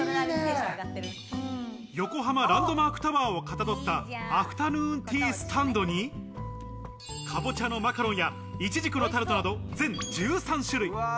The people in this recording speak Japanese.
横浜ランドマークタワーをかたどったアフタヌーンティースタンドに、かぼちゃのマカロンや、いちじくのタルトなど全１３種類。